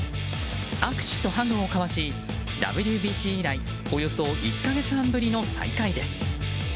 握手とハグを交わし、ＷＢＣ以来およそ１か月半ぶりの再会です。